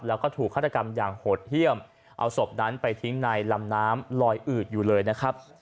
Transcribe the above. แล้วก็ถูกฆาตกรรมอย่างโหดเยี่ยมเอาศพนั้นไปทิ้งในลำน้ำลอยอืดอยู่เลยนะครับ